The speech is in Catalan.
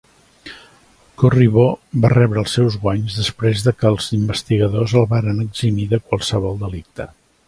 Corriveau va rebre els seus guanys després de que els investigadors el varen eximir de qualsevol delicte.